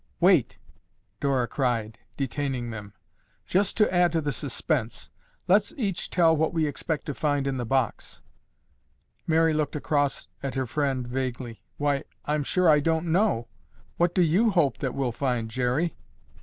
"Wait!" Dora cried, detaining them. "Just to add to the suspense, let's each tell what we expect to find in the box." Mary looked across at her friend vaguely. "Why, I'm sure I don't know. What do you hope that we'll find, Jerry?"